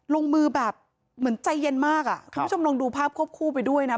ลงมือแบบเหมือนใจเย็นมากอ่ะคุณผู้ชมลองดูภาพควบคู่ไปด้วยนะ